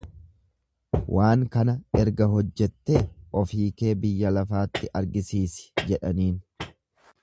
Waan kana erga hojjettee ofii kee biyya lafaatti argisiisi jedhaniin.